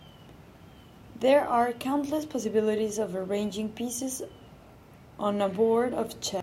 There are countless possibilities of arranging pieces on a board of chess.